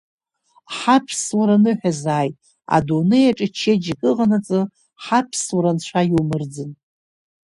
Ҳаԥсуара ныҳәазааит, адунеиаҿы чеиџьыка ыҟанаҵы, ҳаԥсуара Анцәа иумырӡын.